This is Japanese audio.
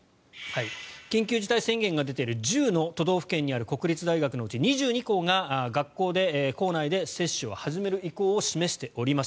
緊急事態宣言が出ている１０の都道府県にある国立大学のうち２２校が学校内で接種を始める意向を示しております。